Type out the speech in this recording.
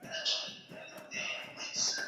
دا بزه ډېره غټه ده او ډېري اوبه څښي.